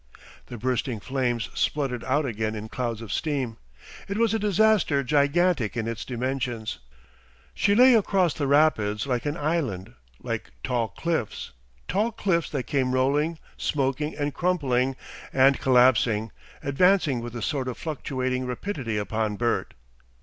The bursting flames spluttered out again in clouds of steam. It was a disaster gigantic in its dimensions. She lay across the rapids like an island, like tall cliffs, tall cliffs that came rolling, smoking, and crumpling, and collapsing, advancing with a sort of fluctuating rapidity upon Bert.